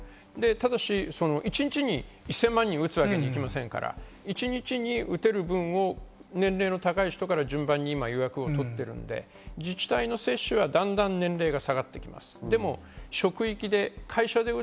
ただし一日１０００万人に打つわけにいきませんから、一日に打てる分を年齢の高い人から順番に今予約を取ってるので自治体の接種はだんだん年齢が下がってきます。